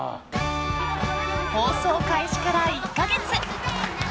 放送開始から１か月。